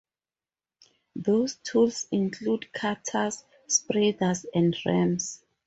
These tools include cutters, spreaders, and rams.